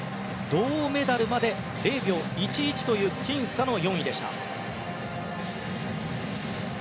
銅メダルまで０秒１１という僅差の４位でした。